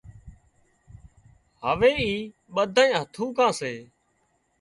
هوي اِي ٻڌونئي هٿُوڪون سي